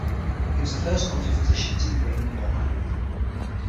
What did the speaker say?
It was the first College of Physicians in Britain or Ireland.